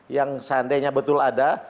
yang seandainya betul ada